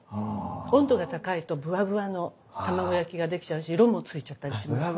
温度が高いとぶわぶわの卵焼きができちゃうし色もついちゃったりしますね。